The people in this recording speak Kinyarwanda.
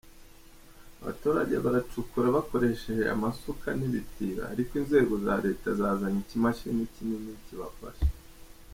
Abaturage baracukura bakoresha amasuka n'ibitiyo, ariko inzego za leta zazanye ikimashini kinini kibafasha.